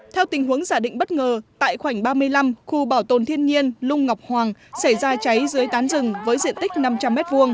theo tình huống giả định bất ngờ tại khoảnh ba mươi năm khu bảo tồn thiên nhiên lung ngọc hoàng xảy ra cháy dưới tán rừng với diện tích năm trăm linh m hai